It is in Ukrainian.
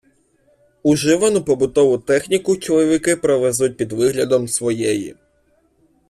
Уживану побутову техніку чоловіки провезуть під виглядом своєї.